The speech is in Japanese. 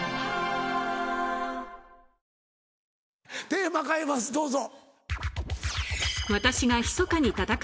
テーマ変えますどうぞ。